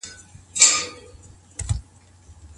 شيطان څنګه د نامحرمو ترمنځ فتنه جوړوي؟